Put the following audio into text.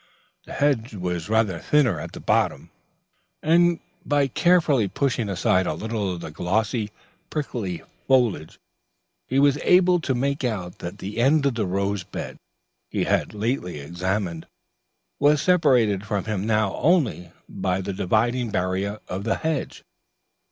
The hedge was rather thinner at the bottom; and, by carefully pushing aside a little of the glossy, prickly foliage, he was able to make out that the end of the rose bed he had lately examined was separated from him now only by the dividing barrier of the hedge.